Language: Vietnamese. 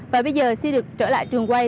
và bây giờ xin được trở lại trường quay